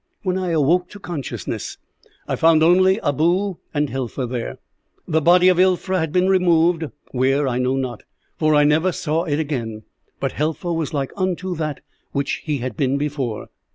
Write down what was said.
"When I awoke to consciousness, I found only Abou and Helfa there. The body of Ilfra had been removed, where, I know not, for I never saw it again; but Helfa was like unto that which he had been before.